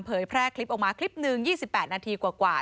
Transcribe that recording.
แพร่คลิปออกมาคลิปหนึ่ง๒๘นาทีกว่า